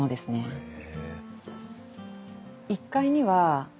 へえ。